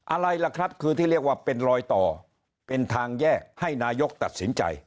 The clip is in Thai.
อะไรล่ะครับคือที่เรียกว่าเป็นรอยต่อเป็นทางแยกให้นายกตัดสินใจ